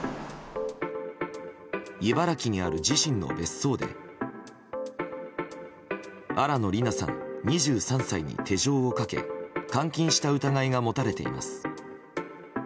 茨城にある自身の別荘で新野りなさん、２３歳に手錠をかけ監禁した疑いが持たれています。